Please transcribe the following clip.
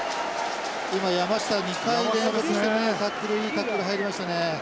今山下２回連続してねタックルいいタックル入りましたね。